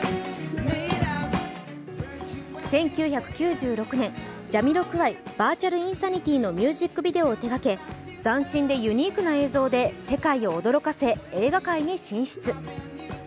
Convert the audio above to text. １９９６年、ジャミロクワイ「ヴァーチャル・インサニティ」のミュージックビデオを手がけ斬新でユニークな映像で世界を驚かせ映画界に進出。